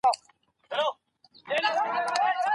په پښتو کي د پند او نصيحت خبري ډېري دي